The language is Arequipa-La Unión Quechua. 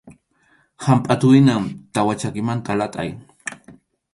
Hampʼatuhina tawa chakimanta latʼay.